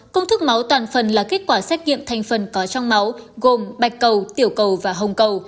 công thức máu toàn phần là kết quả xét nghiệm thành phần có trong máu gồm bạch cầu tiểu cầu và hồng cầu